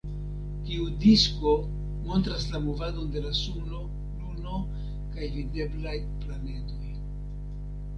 Tiu disko montras la movadon de la suno, luno kaj videblaj planedoj.